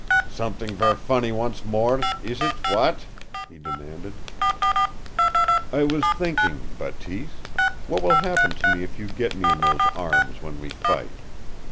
"Somet'ing ver' funny once more, is eet w'at?" he demanded. "I was thinking, Bateese what will happen to me if you get me in those arms when we fight?